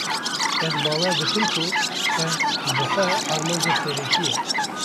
Ez bawer dikim ku ev bi xwe armanca serekî ye